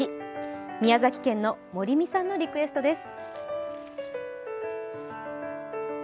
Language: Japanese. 宮崎県のもりみさんのリクエストです。